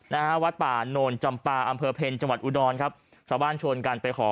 นะคะวัดป่านนท์จำป่าอำเมอร์เพลจังหวัดอูฐรครับสาวบ้านชวนกันไปขอ